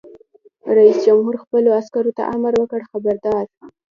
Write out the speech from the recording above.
رئیس جمهور خپلو عسکرو ته امر وکړ؛ خبردار!